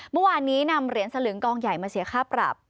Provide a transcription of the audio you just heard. เมื่อวานนี้นำเหรียญสลึงกองใหญ่มาเสียค่าปรับ